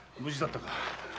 無事だったか。